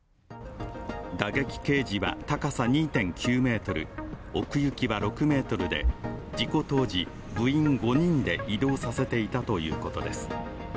打撃ケージは高さ２．９ｍ、奥行きは６ｍで事故当時、部員５人で移動させていたということです。